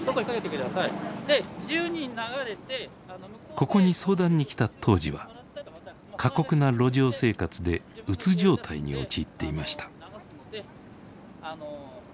ここに相談に来た当時は過酷な路上生活でうつ状態に陥っていました。